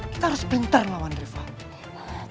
kita harus pintar lawan rifat